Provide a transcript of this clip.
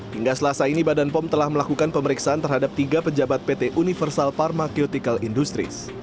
hingga selasa ini badan pom telah melakukan pemeriksaan terhadap tiga pejabat pt universal pharmaceutical industries